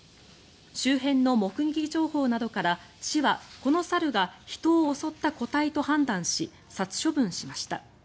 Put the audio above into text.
周辺の目撃情報などから市は、この猿が人を襲った個体と判断し殺処分しました。